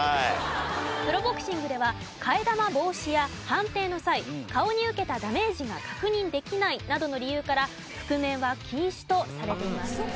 プロボクシングでは替え玉防止や判定の際顔に受けたダメージが確認できないなどの理由から覆面は禁止とされています。